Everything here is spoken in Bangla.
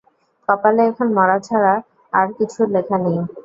কপালে এখন মরণ ছাড়া আর কিচ্ছু লেখা নেই!